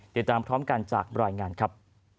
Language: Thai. ติดตามพร้อมกันจากรายงานครับ